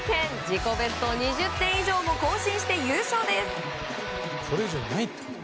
自己ベストを２０点以上も更新して優勝です。